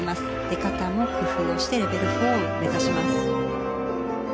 出方も工夫をしてレベル４を目指します。